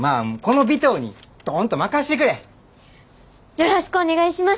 よろしくお願いします！